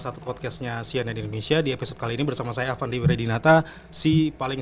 satu podcastnya sian yang di indonesia di episode kali ini bersama saya avandi bredinata si paling